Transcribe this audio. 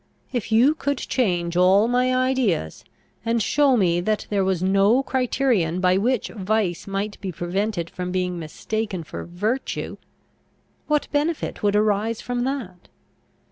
If you could change all my ideas, and show me that there was no criterion by which vice might be prevented from being mistaken for virtue, what benefit would arise from that?